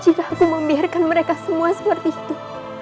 jika aku membiarkan mereka semua seperti itu